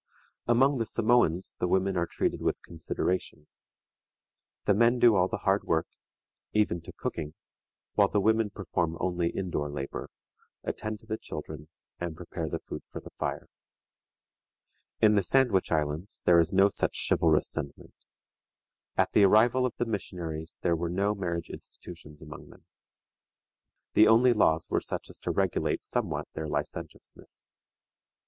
Among the Samoans the women are treated with consideration. The men do all the hard work, even to cooking, while the women perform only in door labor, attend to the children, and prepare the food for the fire. In the Sandwich Islands there is no such chivalrous sentiment. At the arrival of the missionaries there were no marriage institutions among them. The only laws were such as to regulate somewhat their licentiousness.